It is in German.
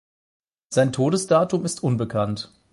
Sein Todesdatum ist unbekannt.